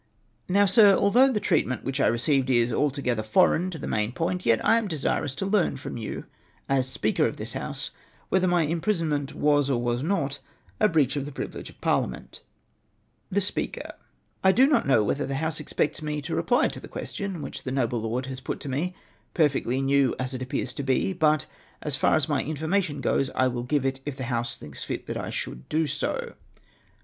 "Now, Sir, although the treatment which I received is altogether foreign to the main point, yet I am desirous to learn from you as Speaker of this House, whether my im prisonment was or was not a breach of the privilege of par liament ?" The Speaker. — I do not know whether the House expects me to reply to the questions which the noble lord has put to me, perfectly new as one appears to be ; but, as far as my information goes, I will give it, if the House thinks fit that I should do so.